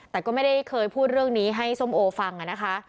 แต่ก็ไม่ได้เคยพูดเรื่องนี้ให้ส้มโอฟังนะคะ